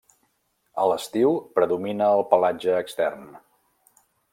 A l'estiu predomina el pelatge extern.